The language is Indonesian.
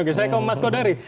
oke saya ke mas kodari